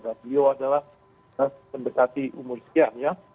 dan beliau adalah pemberkati umur sekian